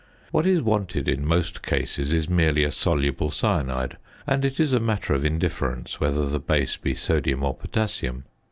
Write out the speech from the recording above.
What is wanted in most cases is merely a soluble cyanide, and it is a matter of indifference whether the base be sodium or potassium.